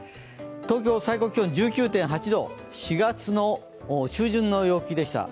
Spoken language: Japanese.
東京、最高気温、１９．８度、４月の中旬の陽気でした。